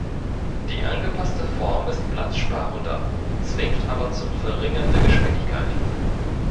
Die angepasste Form ist platzsparender, zwingt aber zum Verringern der Geschwindigkeit.